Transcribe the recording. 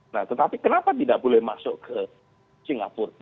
nah tetapi kenapa tidak boleh masuk ke singapura